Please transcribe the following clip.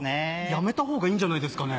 やめた方がいいんじゃないですかね。